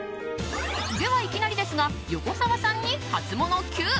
では、いきなりですが横澤さんにハツモノＱ。